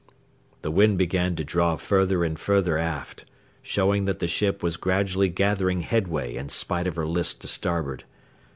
The wind began to draw further and further aft, showing that the ship was gradually gathering headway in spite of her list to starboard.